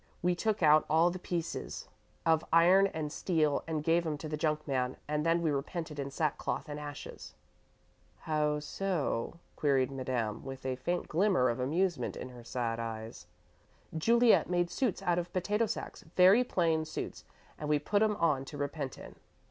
We took out all the pieces of iron and steel and gave 'em to the junk man, and then we repented in sackcloth and ashes." "How so?" queried Madame, with a faint glimmer of amusement in her sad eyes. "Juliet made suits out of potato sacks very plain suits and we put 'em on to repent in."